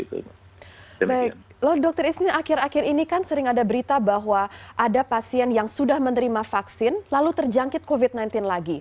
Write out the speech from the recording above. baik loh dokter istina akhir akhir ini kan sering ada berita bahwa ada pasien yang sudah menerima vaksin lalu terjangkit covid sembilan belas lagi